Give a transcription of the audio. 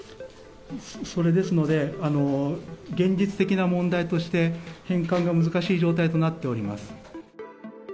それですので、現実的な問題として、返還が難しい状態となっております。